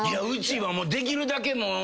うちはできるだけ。